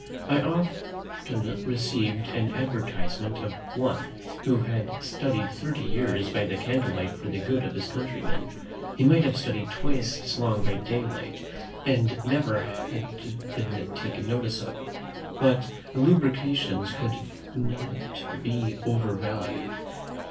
I once received an advertisement of one "who had studied thirty years by candle light for the good of his countrymen." He might have studied twice as long by daylight and never have been taken notice of. But elucubrations cannot be over valued.